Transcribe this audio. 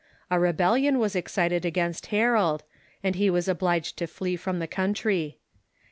A rebellion was excited against Harold, and he was obliged to flee from the country.